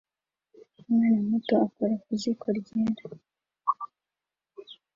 Umwana muto akora ku ziko ryera